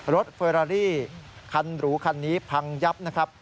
เฟอรารี่คันหรูคันนี้พังยับนะครับ